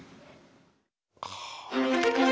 かあ。